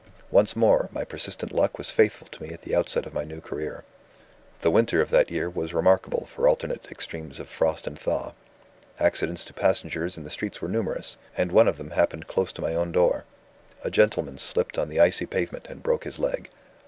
Once more, my persistent luck was faithful to me at the outset of my new career. "The winter of that year was remarkable for alternate extremes of frost and thaw. Accidents to passengers in the streets were numerous; and one of them happened close to my own door. A gentleman slipped on the icy pavement, and broke his leg.